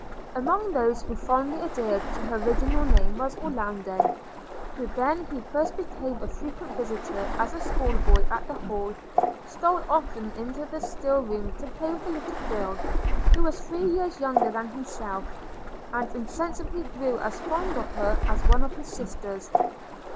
Among those who fondly adhered to her original name was Orlando; who, when he first became a frequent visitor as a schoolboy at the Hall, stole often into the still room to play with the little girl, who was three years younger than himself – and insensibly grew as fond of her as one of his sisters.